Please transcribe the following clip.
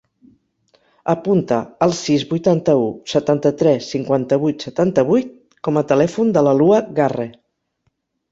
Apunta el sis, vuitanta-u, setanta-tres, cinquanta-vuit, setanta-vuit com a telèfon de la Lua Garre.